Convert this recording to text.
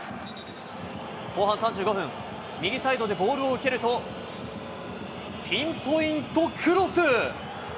後半３５分、右サイドでボールを受けると、ピンポイントクロス。